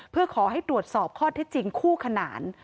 เพื่อขอให้ตรวจสอบข้อเท็จจริงคู่ขนาน